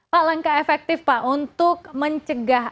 pak langkah efektif pak untuk mencegah